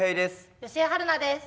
吉江晴菜です。